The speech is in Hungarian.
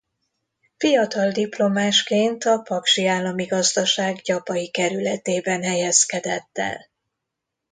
Fiatal diplomásként a Paksi Állami Gazdaság Gyapai Kerületében helyezkedett el.